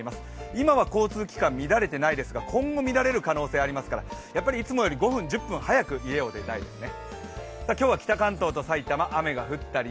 今は交通機関、乱れていないですが今後乱れる可能性もありますからやっぱりいつもより５分、１０分早く家を出たいですね。